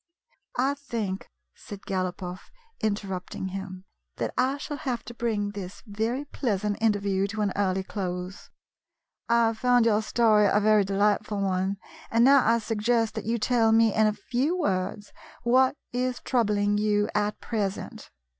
" I think," said Galopoff, interrupting him, "that I shall have to bring this very pleasant interview to an early close. I have found your story a very delightful one, and now I suggest that you tell me in a few words what is troubling you at present.